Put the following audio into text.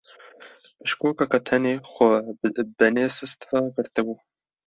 Bişkokeke tenê xwe bi benê sist ve girtibû.